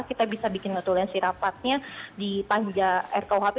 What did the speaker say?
kita bisa bikin aturan si rapatnya di pajas rkuhp